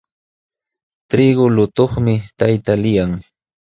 Trigu lutuqmi tayta liyan.